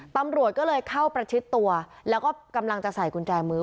ตำรวจก็เลยเข้าประชิดตัวแล้วก็กำลังจะใส่กุญแจมือ